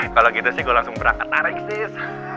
kalau gitu sih gue langsung berangkat tarik sis